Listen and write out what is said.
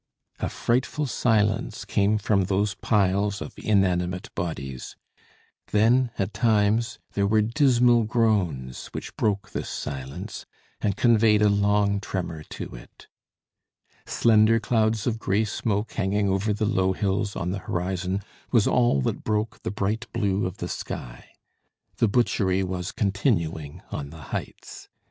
A frightful silence came from those piles of inanimate bodies; then, at times, there were dismal groans which broke this silence, and conveyed a long tremor to it. Slender clouds of grey smoke hanging over the low hills on the horizon, was all that broke the bright blue of the sky. The butchery was continuing on the heights.